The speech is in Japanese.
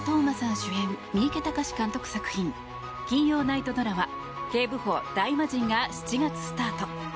主演三池崇史監督作品金曜ナイトドラマ「警部補ダイマジン」が７月スタート。